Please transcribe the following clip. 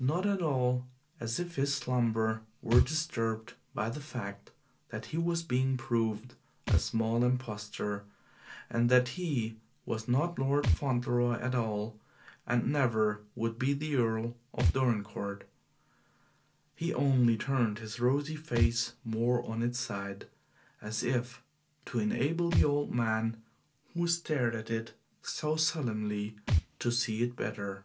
Not at all as if his slumber were disturbed by the fact that he was being proved a small impostor and that he was not Lord Fauntleroy at all and never would be the Earl of Dorincourt. He only turned his rosy face more on its side, as if to enable the old man who stared at it so solemnly to see it better.